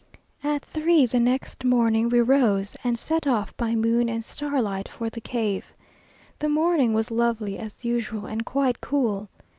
At three the next morning we rose, and set off by moon and starlight for the cave. The morning was lovely as usual, and quite cool.